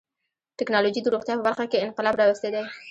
ټکنالوجي د روغتیا په برخه کې انقلاب راوستی دی.